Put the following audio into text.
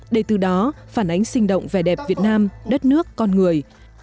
để từ đó phản ánh sinh động vẻ đẹp việt nam đất nước con người